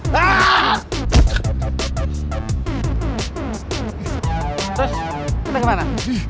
terus kita kemana